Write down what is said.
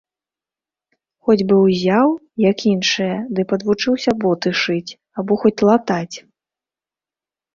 Хоць бы ўзяў, як іншыя, ды падвучыўся боты шыць або хоць латаць.